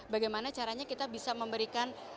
bagaimana caranya kita bisa memberikan